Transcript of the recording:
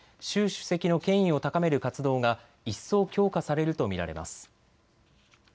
主席の権威を高める活動が一層強化されると見られます。